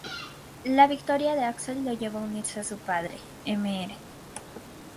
La victoria de Axel lo llevó a unirse a su padre "Mr.